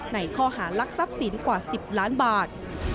ในข้อหารักทรัพย์สินกว่า๑๐ล้านบาท